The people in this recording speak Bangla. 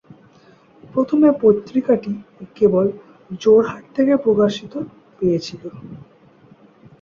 প্রথমে পত্রিকাটি কেবল যোরহাট থেকে প্রকাশিত পেয়েছিল।